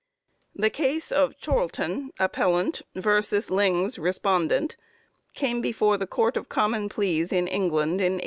The case of Chorlton, appellant, vs. Lings, respondent, came before the Court of Common Pleas in England in 1869.